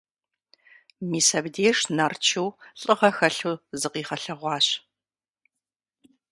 Мис абдеж Нарчу лӀыгъэ хэлъу зыкъигъэлъэгъуащ.